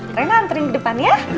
keren anterin ke depan ya